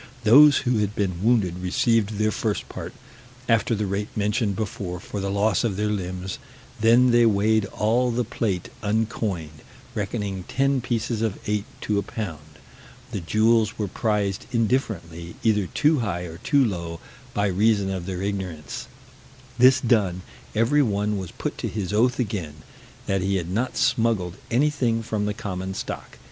Those who had been wounded received their first part, after the rate mentioned before, for the loss of their limbs: then they weighed all the plate uncoined, reckoning ten pieces of eight to a pound; the jewels were prized indifferently, either too high or too low, by reason of their ignorance: this done, every one was put to his oath again, that he had not smuggled anything from the common stock.